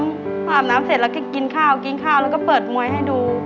อาบน้ำเสร็จแล้วก็กินข้าวกินข้าวแล้วก็เปิดมวยให้ดู